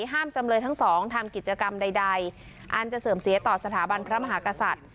จำเลยทั้งสองทำกิจกรรมใดอันจะเสื่อมเสียต่อสถาบันพระมหากษัตริย์